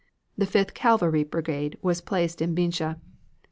The Fifth Cavalry Brigade was placed at Binche.